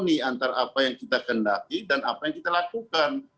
ini antara apa yang kita kendaki dan apa yang kita lakukan